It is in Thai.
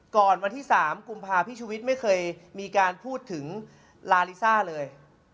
ก่อนวันที่๓กุมภาพพี่ชุวิตไม่เคยมีการพูดถึงลาลิซ่าเลย